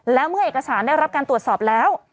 และเมื่อเอกสารได้รับการตรวจสอบแล้ว